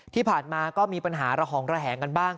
ที่ผ่านมาก็มีปัญหาระหองระแหงกันบ้าง